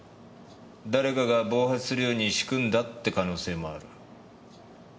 誰かが暴発するように仕組んだって可能性もある。